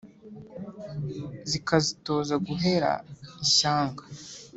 Zikazitoza guhera ishyanga